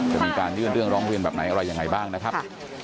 จะมีการยื่นเรื่องร้องเรียนแบบไหนอะไรยังไงบ้างนะครับ